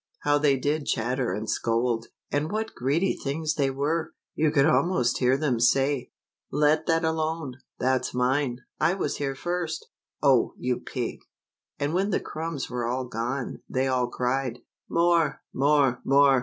How they did chatter and scold ! And what greedy things they were ! You could almost hear them say, "Let that alone ! That's mine ! I was here first ! O you pig !" and when the crumbs were all gone they all cried, " More ! more! more!"